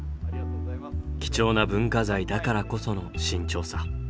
貴重な文化財だからこその慎重さ。